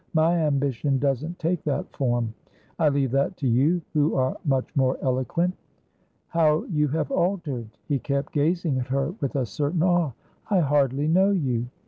"My ambition doesn't take that form. I leave that to you, who are much more eloquent." "How you have altered!" He kept gazing at her, with a certain awe. "I hardly know you."